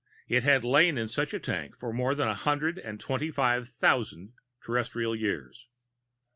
It had lain in such a tank for more than a hundred and twenty five thousand Terrestrial years.